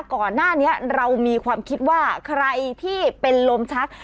ก่อนหน้านี้เรามีความคิดว่าใครที่เป็นลมชัก